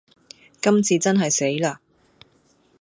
今次真係死啦